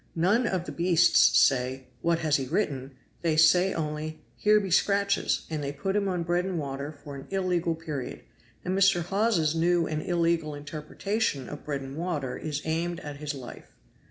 None of the beasts say, 'What has he written?' they say only, 'Here be scratches,' and they put him on bread and water for an illegal period; and Mr. Hawes's new and illegal interpretation of 'bread and water' is aimed at his life.